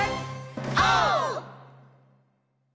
オー！